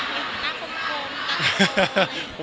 หน้าคมคมต่างโต